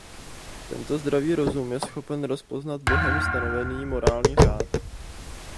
Tento zdravý rozum je schopen rozpoznat Bohem stanovený morální řád.